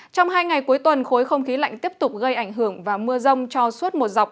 trong hai ngày cuối tuần khối không khí lạnh tiếp tục gây ảnh hưởng và mưa rông cho suốt một dọc